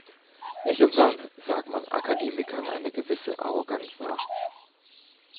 Nicht umsonst sagt man Akademikern eine gewisse Arroganz nach.